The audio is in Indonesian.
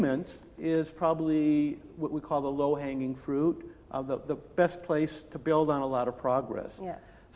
mungkin adalah apa yang kita panggil buah yang rendah yang terbaik untuk membangun banyak kemajuan ya